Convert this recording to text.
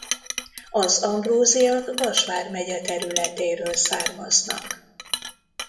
Az Ambrózyak Vas vármegye területéről származnak.